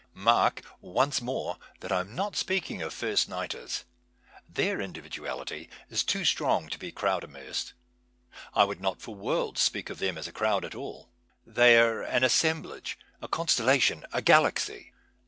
Mark, once more, that I am not speaking of first nighters. Their individuality is too strong to be crowd inunersed. I would not for worlds speak of them as a crowd at all. They are an assemblage, a constellation, a galaxy.